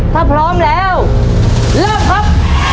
ถ้าพร้อมแล้วเริ่มครับ